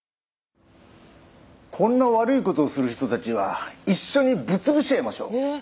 こんな悪いことをする人たちは一緒にぶっ潰しちゃいましょう。